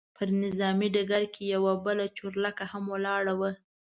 پر نظامي ډګر کې یوه بله چورلکه هم ولاړه وه.